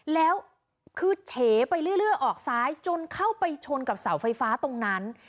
แล้วคือเฉไปเรื่อยออกซ้ายจนเข้าไปชนกับเสาไฟฟ้าตรงนั้น